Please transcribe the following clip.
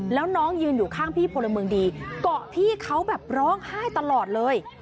แล้วน้องยืนอยู่ข้างพี่พลเมืองดีเกาะพี่เขาแบบร้องไห้ตลอดเลย